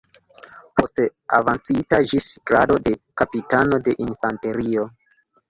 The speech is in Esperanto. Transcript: Poste avancita ĝis grado de kapitano de infanterio.